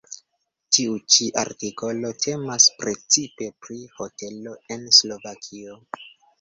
Tiu ĉi artikolo temas precipe pri hotelo en Slovakio.